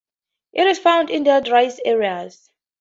It is found in drier areas.